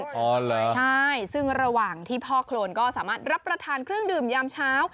พอแล้วใช่ซึ่งระหว่างที่พ่อโครนก็สามารถรับประทานเครื่องดื่มยามเช้า